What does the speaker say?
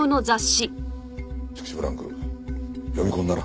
しかしブランク読み込んだな。